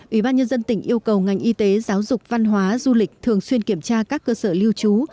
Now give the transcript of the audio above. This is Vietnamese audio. ủy ban nhân dân tỉnh yêu cầu ngành y tế giáo dục văn hóa du lịch thường xuyên kiểm tra các cơ sở lưu trú